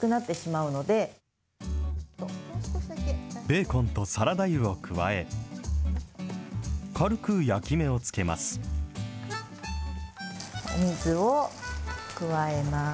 ベーコンとサラダ油を加え、軽く焼き目をつけます。